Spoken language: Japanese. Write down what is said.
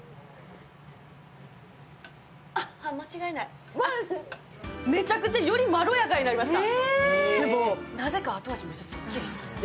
間違いない、めちゃくちゃよりまろやかになりました。